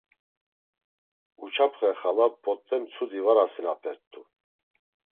Uçapxe xala pot̆e mtsudi var asinapert̆u.